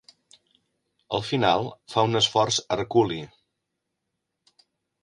Al final, fa un esforç herculi.